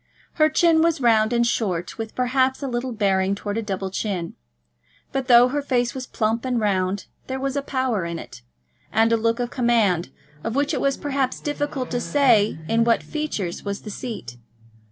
Her chin was round and short, with, perhaps, a little bearing towards a double chin. But though her face was plump and round, there was a power in it, and a look of command, of which it was, perhaps, difficult to say in what features was the seat.